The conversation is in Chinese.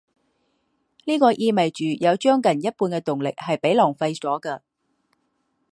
这意味者有将近一半的动力是被浪费掉的。